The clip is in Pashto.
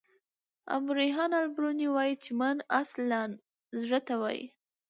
ابو ریحان البروني وايي چي: "من" اصلاً زړه ته وايي.